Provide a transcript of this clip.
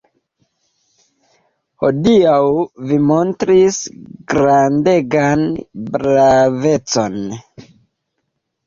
Hodiaŭ vi montris grandegan bravecon.